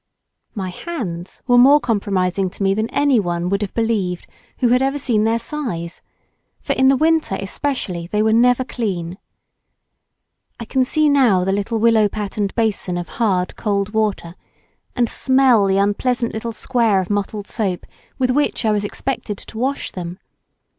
My hands were more compromising to me than anyone would have believed who had ever seen their size, for, in the winter especially, they were never clean. I can see now the little willow patterned basin of hard cold water, and smell the unpleasant little square of mottled soap with which I was expected to wash them.